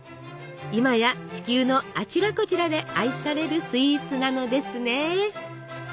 今や地球のあちらこちらで愛されるスイーツなのですね。